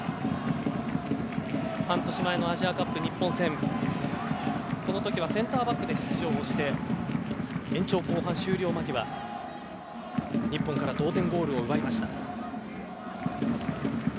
半年前のアジアカップ日本戦この時はセンターバックで出場して延長後半終了間際日本から同点ゴールを奪いました。